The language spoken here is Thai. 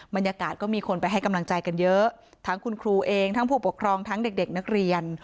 บรรยากาศก็มีคนไปให้กำลังใจกันเยอะทั้งคุณครูเองทั้งผู้ปกครองทั้งเด็กนักเรียน